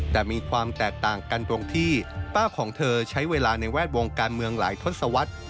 แต่มีความแตกต่างกันตรงที่ป้าของเธอใช้เวลาในแวดวงการเมืองหลายทศวรรษ